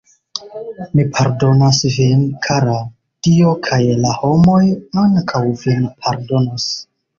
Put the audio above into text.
Mi pardonas vin, kara; Dio kaj la homoj ankaŭ vin pardonos.